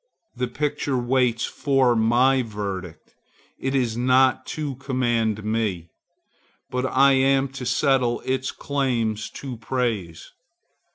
The picture waits for my verdict; it is not to command me, but I am to settle its claims to praise.